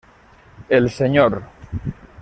El Sr.